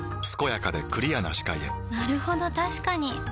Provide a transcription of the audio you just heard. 健やかでクリアな視界へなるほど確かに！